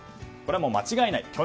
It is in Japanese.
これは間違いない。